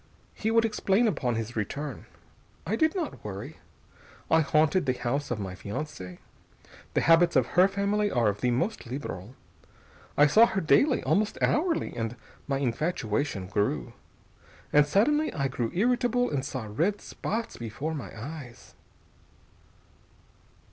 He would explain upon his return. I did not worry. I haunted the house of my fiancée. The habits of her family are of the most liberal. I saw her daily, almost hourly, and my infatuation grew. And suddenly I grew irritable and saw red spots before my eyes....